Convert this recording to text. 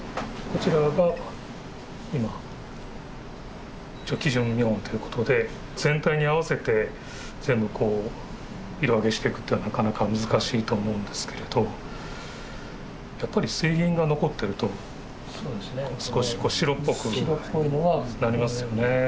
こちらが今基準見本ということで全体に合わせて全部色あげしていくというのはなかなか難しいと思うんですけれどやっぱり水銀が残ってると少し白っぽくなりますよね。